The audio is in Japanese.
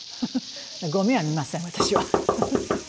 ゴミは見ません私は。